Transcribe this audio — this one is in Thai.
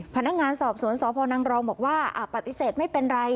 พนักงานสอบสวนสพนังรองบอกว่าปฏิเสธไม่เป็นไร